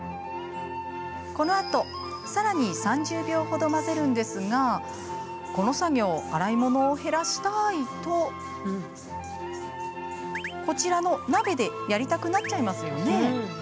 このあと、さらに３０秒ほど混ぜるんですがこの作業、洗い物を減らしたいとこちらの鍋で、やりたくなっちゃいますよね。